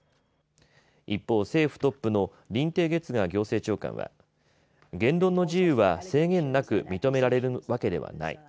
一方、政府トップの林鄭月娥行政長官は言論の自由は制限なく認められるわけではない。